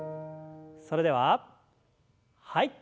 それでははい。